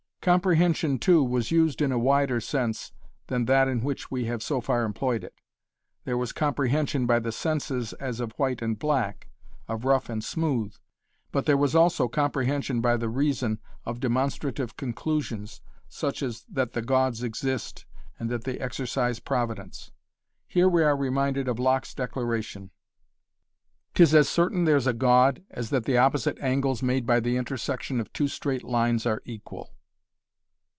Comprehension too was used in a wider sense than that in which we have so far employed it. There was comprehension by the senses as of white and black, of rough and smooth, but there was also comprehension by the reason of demonstrative conclusions such as that the gods exist and that they exercise providence. Here we are reminded of Locke's declaration: "'Tis as certain there's a God as that the opposite angles made by the intersection of two straight lines are equal."